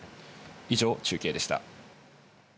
以上、中継でした。